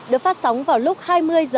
được phát sóng vào lúc hai mươi h một mươi